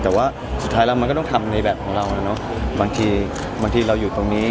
สุดท้ายแล้วมันก็ต้องทำในแบบของเราบางทีบางทีเราอยู่ตรงนี้